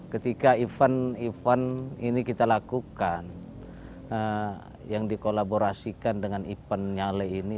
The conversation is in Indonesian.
ketika event event ini kita lakukan yang dikolaborasikan dengan event nyale ini